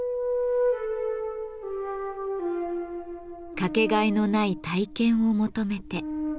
かけがえのない体験を求めて。